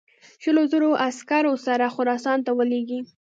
شلو زرو عسکرو سره خراسان ته ولېږي.